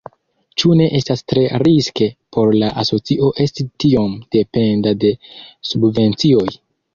Ĉu ne estas tre riske por la asocio esti tiom dependa de subvencioj?